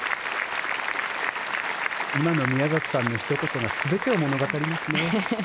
今の宮里さんのひと言が全てを物語りますね。